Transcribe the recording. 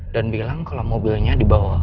dan bilang kalau mobilnya di bawah